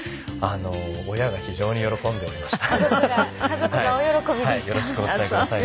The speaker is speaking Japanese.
親が非常に喜んでおりました。